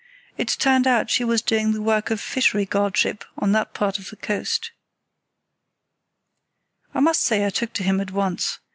It turned out that she was doing the work of fishery guardship on that part of the coast. "I must say I took to him at once.